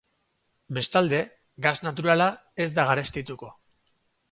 Bestalde, gas naturala ez da gerstituko.